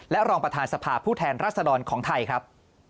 รองประธานสภาผู้แทนรัศดรของไทยครับ